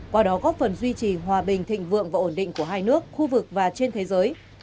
qua đó góp phần duy trì hòa bình thịnh vượng và ổn định của hai nước khu vực và trên thế giới